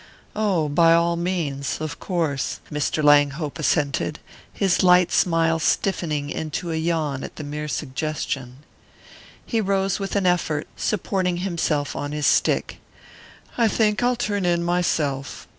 "Oh, by all means of course " Mr. Langhope assented, his light smile stiffening into a yawn at the mere suggestion. He rose with an effort, supporting himself on his stick. "I think I'll turn in myself.